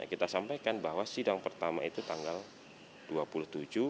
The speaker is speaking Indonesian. kita sampaikan bahwa sidang pertama itu tanggal dua puluh tujuh